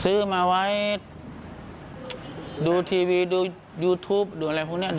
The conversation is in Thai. ซื้อมาไว้ดูทีวีดูยูทูปดูอะไรพวกนี้